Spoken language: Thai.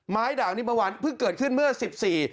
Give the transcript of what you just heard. ด่างนี้เมื่อวานเพิ่งเกิดขึ้นเมื่อสิบสี่